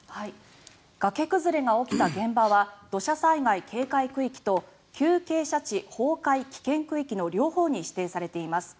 崖崩れが起きた現場は土砂災害警戒区域と急傾斜地崩壊危険区域の両方に指定されています。